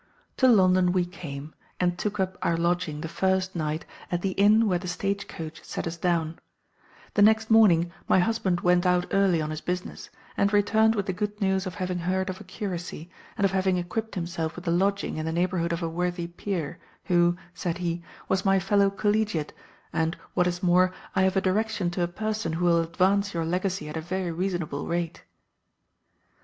"To London we came, and took up our lodging the first night at the inn where the stage coach set us down: the next morning my husband went out early on his business, and returned with the good news of having heard of a curacy, and of having equipped himself with a lodging in the neighbourhood of a worthy peer, 'who,' said he, 'was my fellow collegiate; and, what is more, I have a direction to a person who will advance your legacy at a very reasonable rate.